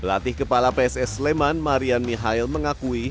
pelatih kepala pss sleman marian mihael mengakui